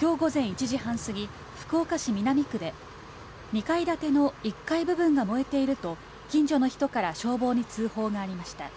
今日午前１時半すぎ、福岡市南区で２階建ての１階部分が燃えていると近所の人から消防に通報がありました。